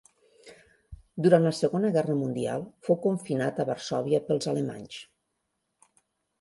Durant la Segona Guerra Mundial, fou confinat a Varsòvia pels alemanys.